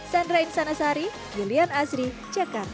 sandra insanasari julian azri jakarta